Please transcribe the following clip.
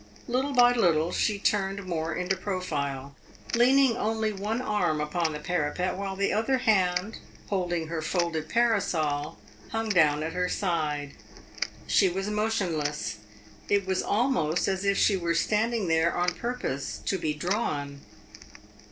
Little by little she turned more into profile, leaning only one arm upon the parapet, while the other hand, holding her folded parasol, hung down at her side. She was motionless; it was almost as if she were standing there on purpose to be drawn.